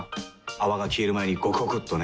泡が消える前にゴクゴクっとね。